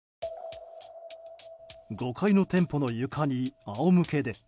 ５階の店舗の床に仰向けで。